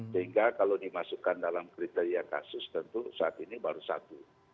sehingga kalau dimasukkan dalam kriteria kasus tentu saat ini baru satu